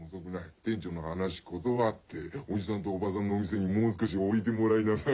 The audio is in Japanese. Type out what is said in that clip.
店長の話ことわっておじさんとおばさんのお店にもう少しおいてもらいなさい。